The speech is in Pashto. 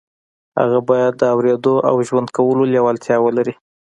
هغه بايد د اورېدو او ژوند کولو لېوالتیا ولري.